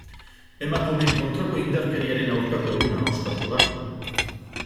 Emakumeen kontrako indarkeriaren aurkako eguna ospatuko da.